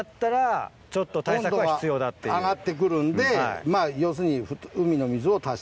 温度が上がって来るんで要するに。